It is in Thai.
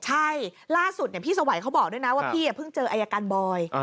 ใช่ล่าสุดพี่สวัยเขาบอกด้วยนะว่าพี่เพิ่งเจออายการบอย